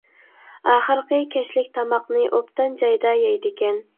ئاخىرقى كەچلىك تاماقنى ئوبدان جايدا يەيدىكەن.